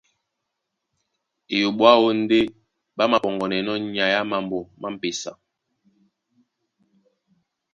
Eyoɓo aó ndé ɓá māpɔŋgɔnɛnɔ́ nyai á mambo má m̀pesa.